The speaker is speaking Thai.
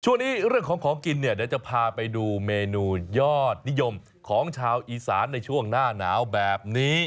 ช่วงนี้เรื่องของของกินเนี่ยเดี๋ยวจะพาไปดูเมนูยอดนิยมของชาวอีสานในช่วงหน้าหนาวแบบนี้